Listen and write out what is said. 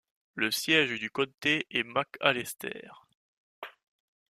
Le siège du comté est McAlester.